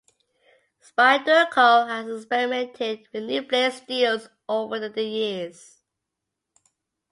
Spyderco has experimented with new blade steels over the years.